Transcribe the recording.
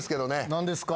何ですか？